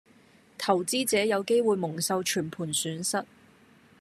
投資者有機會蒙受全盤損失